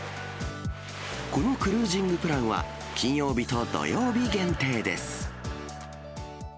このクルージングプランは金曜日と土曜日限定です。